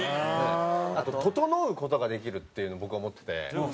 あとととのう事ができるっていう風に僕は思ってて。